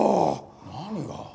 何が？